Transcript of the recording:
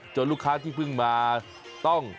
ลูกค้าที่เพิ่งมาต้อง